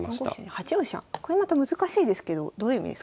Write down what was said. これまた難しいですけどどういう意味ですか？